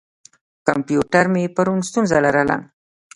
کمپیوټر مې پرون ستونزه لرله.